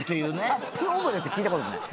「チャップン・オムレツ」って聞いたことない。